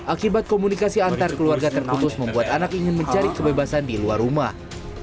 akibat komunikasi antar keluarga terputus membuat anak ingin mencari kebebasan di luar rumah